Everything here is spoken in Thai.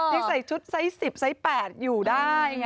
ยังใส่ชุดไซส์๑๐ไซส์๘อยู่ได้ไง